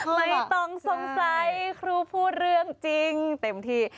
ไม่ต้องสงสัยครูพูดเรื่องจริงเต็มที่